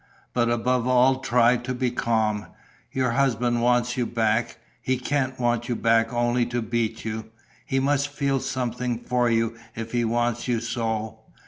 But above all try to be calm. Your husband wants you back; he can't want you back only to beat you. He must feel something for you if he wants you so.